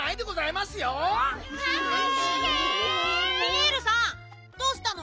ピエールさんどうしたの？